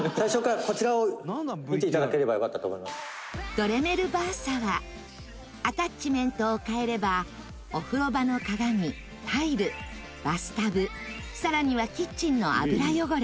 ドレメル・バーサはアタッチメントを替えればお風呂場の鏡タイル、バスタブさらには、キッチンの油汚れ